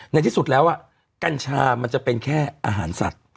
ในที่สุดแล้วกัญชามันจะเป็นแค่อาหารสัตว์